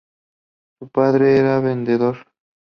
Su padre era vendedor.